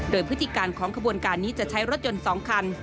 โดยพฤติการของขบวนการนี้จะใช้รถยนต์๒คัน